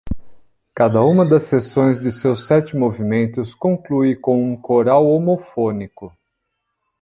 Cada uma das seções de seus sete movimentos conclui com um coral homofônico.